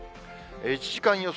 １時間予想